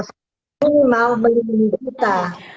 profesional melindungi kita